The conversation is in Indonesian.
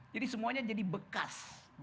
jadi semuanya jadi bekas